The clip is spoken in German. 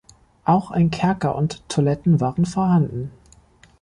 Auch ein Kerker und Toiletten waren vorhanden.